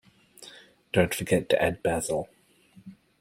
Don't forget to add Basil.